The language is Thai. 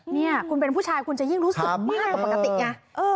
นี่คุณเป็นผู้ชายคุณจะยิ่งรู้สึกมากกว่าปกติไง